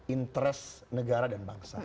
interes negara dan bangsa